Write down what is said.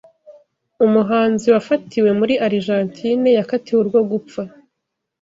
Umuhanzi wafatiwe muri Arijantine yakatiwe urwo gupfa